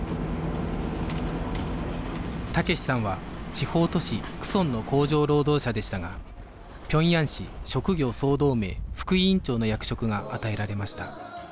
武志さんは地方都市亀城の工場労働者でしたが平壌市職業総同盟副委員長の役職が与えられました